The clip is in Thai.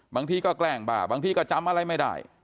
บางทีก็แกล้งบ้าบางทีก็จำอะไรไม่ได้